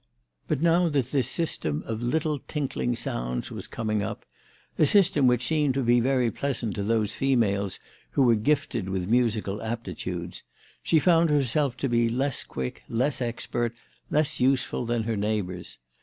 But now that this system of little tinkling sounds was coming up, a system which seemed to be very pleasant to those females who were gifted with musical aptitudes, she found herself to be less quick, less expert, less useful than her neighbours.